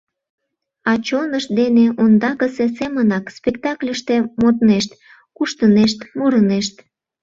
А чонышт дене ондакысе семынак спектакльыште моднешт, куштынешт, мурынешт.